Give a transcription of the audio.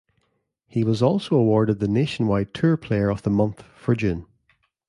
He was also awarded the Nationwide Tour Player of the Month for June.